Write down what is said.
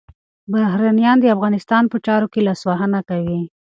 بهرنیان د افغانستان په چارو کي لاسوهنه کوي.